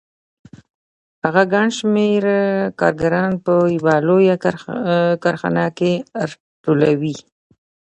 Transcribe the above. هغه ګڼ شمېر کارګران په یوه لویه کارخانه کې راټولوي